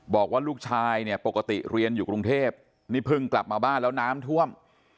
บอกว่าลูกชายเนี่ยปกติเรียนอยู่กรุงเทพนี่เพิ่งกลับมาบ้านแล้วน้ำท่วม